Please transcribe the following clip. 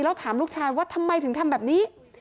แล้วถามลูกชายว่าทำไมถึงทำแบบนี้